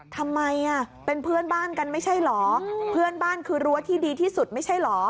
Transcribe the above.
ทำไมเป็นเพื่อนบ้านกันไม่ใช่เหรอเพื่อนบ้านคือรั้วที่ดีที่สุดไม่ใช่เหรอ